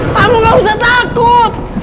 kamu gak usah takut